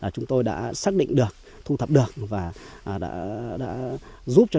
chúng tôi đã xác định được thu thập được và đã giúp cho chúng tôi